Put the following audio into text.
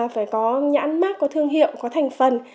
phải có nhãn mát có thương hiệu có thành phần